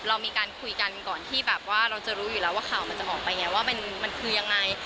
เรามีการคุยกันก่อนที่แบบว่าเราจะรู้อยู่แล้วว่าข่าวมันจะออกไปไงว่ามันคือยังไง